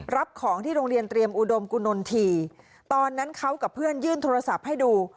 รับของที่โรงเรียนเตรียมอุดมกุนนทีตอนนั้นเขากับเพื่อนยื่นโทรศัพท์ให้ดู